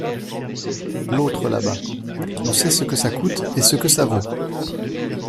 L’autre là-bas, on sait ce que ça coûte, et ce que ça vaut !…